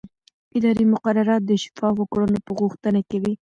اداري مقررات د شفافو کړنو غوښتنه کوي.